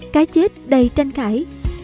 cái chết đầy tranh cãi